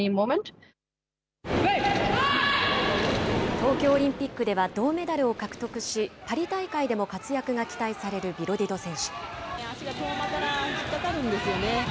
東京オリンピックでは銅メダルを獲得し、パリ大会でも活躍が期待されるビロディド選手。